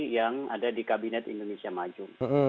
yang ada di kabinet indonesia maju